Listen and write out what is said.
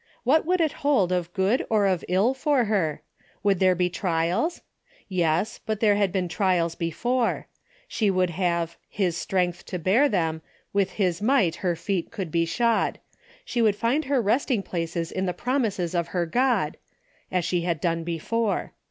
What would it hold of good or of ill for her? Would there be trials? Yes, but there had been trials before. She would have " his strength to bear them, with 124 A DAILY RATE. 125 his might her feet could be shod. She could find her resting places in the promises of her God," as she had done before.